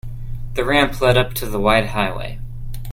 The ramp led up to the wide highway.